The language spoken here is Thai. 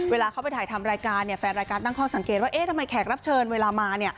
เวลาเขาไปถ่ายทำรายการแฟนรายการตั้งข้อสังเกตว่าทำไมแขกรับเชิญเวลามา